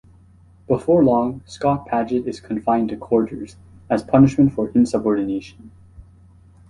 Before long, Scott-Padget is confined to quarters as punishment for insubordination.